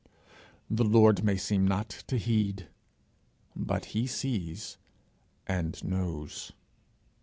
The Lord may seem not to heed, but he sees and knows.